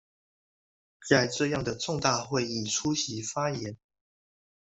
在這樣的重大會議出席發言